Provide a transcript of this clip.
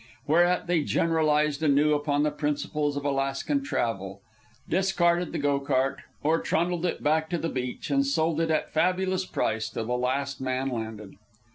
Whereat they generalized anew upon the principles of Alaskan travel, discarded the go cart, or trundled it back to the beach and sold it at fabulous price to the last man landed.